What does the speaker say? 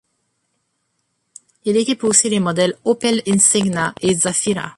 Il équipe aussi les modèles et Opel Insigna et Zafira.